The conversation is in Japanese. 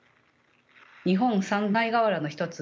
日本三大瓦の一つ